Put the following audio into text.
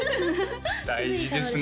大事ですね